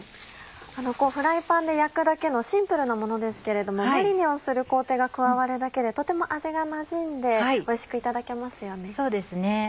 フライパンで焼くだけのシンプルなものですけれどもマリネをする工程が加わるだけでとても味がなじんでおいしくいただけますよね。